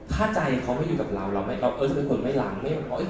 เค้าไม่อยู่กับเราเราคือคนไม่รักนะครับ